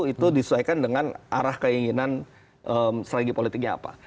itu disesuaikan dengan arah keinginan strategi politiknya apa